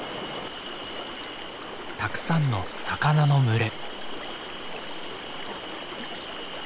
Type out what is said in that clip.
たくさんの魚の群れ。